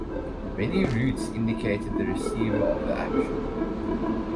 Many roots indicate the receiver of the action.